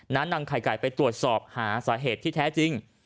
นำไข่ไก่ไปตรวจสอบหาสาเหตุที่แท้จริง